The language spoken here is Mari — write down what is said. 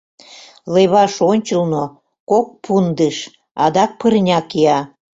Леваш ончылно — кок пундыш, адак пырня кия.